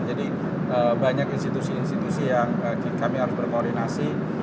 jadi banyak institusi institusi yang kami harus berkoordinasi